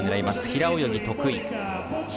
平泳ぎ得意。